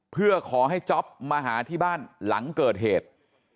เพื่อขอให้จ๊อปมาหาที่บ้านหลังเกิดเหตุ